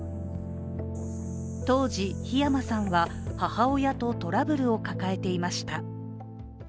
当時、火山さんは母親とトラブルを抱えていました。